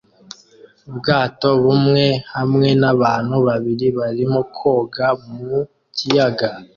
Ubwato bumwe hamwe n'abantu babiri barimo koga mu kiyaga